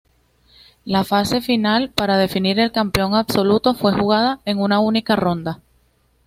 La Fase Final para definir el campeón absoluto fue jugada en una única ronda.